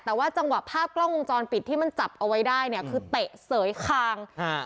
แต่ว่าจังหวะภาพกล้องวงจรปิดที่มันจับเอาไว้ได้เนี่ยคือเตะเสยคางฮะ